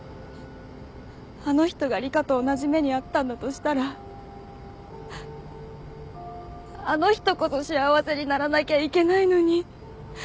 あの人が理香と同じ目に遭ったんだとしたらあの人こそ幸せにならなきゃいけないのに。